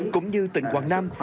cũng như tỉnh quảng nam